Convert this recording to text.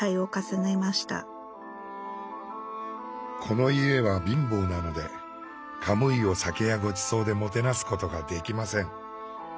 この家は貧乏なのでカムイを酒やごちそうでもてなすことができません。